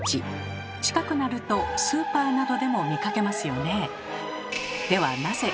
近くなるとスーパーなどでも見かけますよねえ。